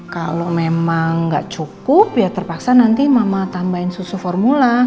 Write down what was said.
kalau memang nggak cukup ya terpaksa nanti mama tambahin susu formula